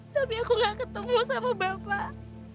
tapi aku gak ketemu sama bapak